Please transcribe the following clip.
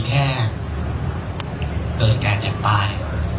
แค่เกิดแก่เจ็บตาย